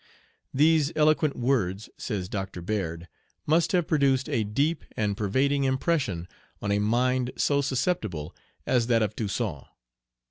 These eloquent words, says Dr. Baird, must have produced a deep and pervading impression on a mind so susceptible as that of Toussaint.